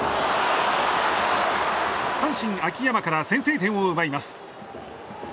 阪神、秋山から先制点を奪います。